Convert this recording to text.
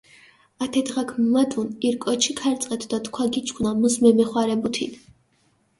ათე დღაქ მუმადუნ ირ კოჩი ქარწყეთ დო თქვა გიჩქუნა, მუს მემეხვარებუთინ.